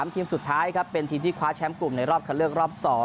ทีมสุดท้ายครับเป็นทีมที่คว้าแชมป์กลุ่มในรอบคันเลือกรอบ๒